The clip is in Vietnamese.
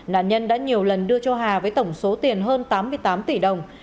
nạn nhân đã nhiều lần đưa cho hà với tổng số tiền hơn tám mươi tám tỷ đồng